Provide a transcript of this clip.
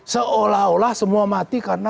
seolah olah semua mati karena